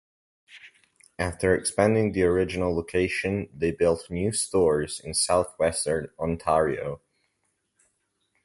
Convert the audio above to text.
After expanding the original location, they built new stores in southwestern Ontario.